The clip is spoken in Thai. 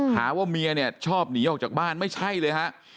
หาว่าเมียเนี่ยชอบหนีออกจากบ้านไม่ใช่เลยฮะ